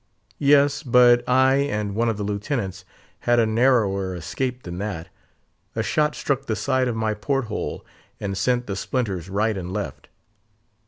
"Yes; but I and one of the Lieutenants had a narrower escape than that. A shot struck the side of my port hole, and sent the splinters right and left.